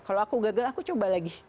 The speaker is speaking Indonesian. kalau aku gagal aku coba lagi